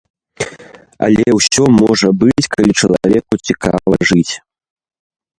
Але ўсё можа быць, калі чалавеку цікава жыць.